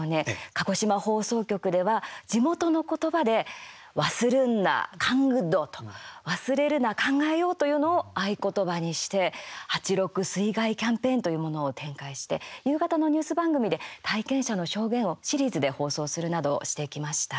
鹿児島放送局では、地元の言葉で「わするんな、かんぐっど。」と「忘れるな、考えよう」というのを合言葉にして８・６水害キャンペーンというものを展開して夕方のニュース番組で体験者の証言を、シリーズで放送するなどしてきました。